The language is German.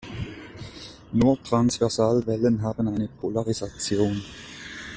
Nur Transversalwellen haben eine Polarisation.